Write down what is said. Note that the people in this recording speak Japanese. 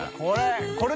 これ！